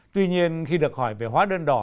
tuy nhiên khi được hỏi về hóa đơn đỏ